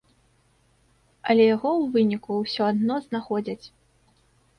Але яго ў выніку ўсё адно знаходзяць.